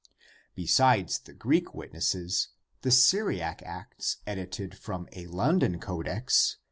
Besides the Greek witnesses the Syriac Acts edited from a London codex (jNIus.